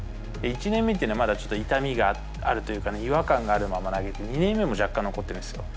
１年目っていうのはまだ痛みがあるというか、違和感のあるまま投げてて、２年目も若干残ってるんですよ。